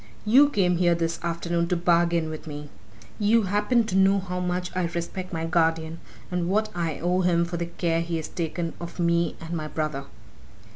You came here this afternoon to bargain with me! You happen to know how much I respect my guardian and what I owe him for the care he has taken of me and my brother.